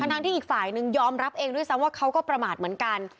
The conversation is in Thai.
ทั้งที่อีกฝ่ายนึงยอมรับเองด้วยซ้ำว่าเขาก็ประมาทเหมือนกัน